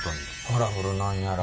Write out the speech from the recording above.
カラフルなんやら。